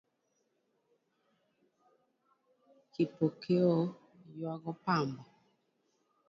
Kipokeo ywago pamba?